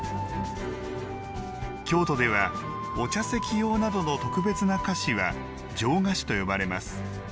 京都では、お茶席用などの特別な菓子は上菓子と呼ばれます。